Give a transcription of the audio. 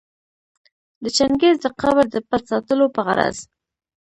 د چنګیز د قبر د پټ ساتلو په غرض